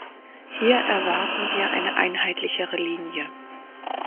Hier erwarten wir eine einheitlichere Linie.